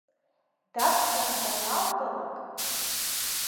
Даԥхьан даналгалак.